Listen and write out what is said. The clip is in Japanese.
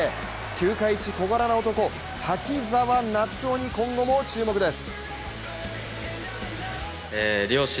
球界一小柄な男、滝澤夏央に今後も注目です。